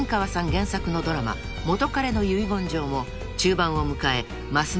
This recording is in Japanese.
原作のドラマ『元彼の遺言状』も中盤を迎えます